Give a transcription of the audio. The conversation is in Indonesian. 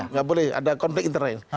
nggak boleh ada konflik internal